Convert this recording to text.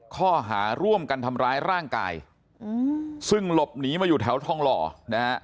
ข้อหาร่วมกันทำร้ายร่างกายซึ่งหลบหนีมาอยู่แถวทองหล่อนะฮะ